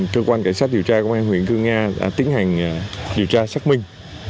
cơ quan cảnh sát điều tra công an huyện cư nga đã tiến hành điều tra xác minh